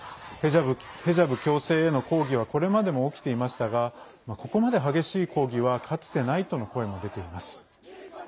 ヘジャブ強制への抗議はこれまでも起きていましたがここまで激しい抗議はかつてないとの声も出ています。